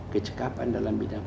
kecekapan dalam bidang